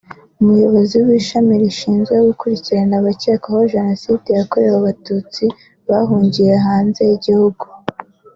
umuyobozi w’ishami rishinzwe gukurirana abakekwaho Jenoside yakorewe Abatutsi bahungiye hanze y’igihugu